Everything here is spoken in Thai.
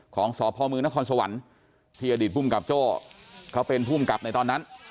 ของสพมนครสวรรค์ที่อดีตภูมิกับโจ้เขาเป็นภูมิกับในตอนนั้น